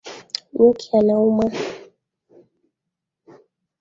Nyuki anauma.